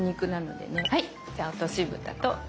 じゃあ落としぶたと。